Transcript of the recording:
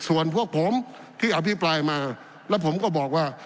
ส่วนพวกผมที่อภิปรายมาแล้วผมก็บอกว่า